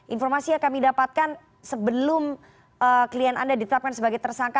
informasi yang kami dapatkan sebelum klien anda ditetapkan sebagai tersangka